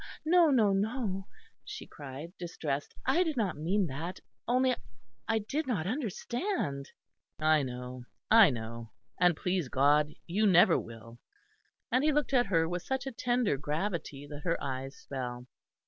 "No, no, no," she cried, distressed. "I did not mean that. Only I did not understand." "I know, I know; and please God you never will." And he looked at her with such a tender gravity that her eyes fell.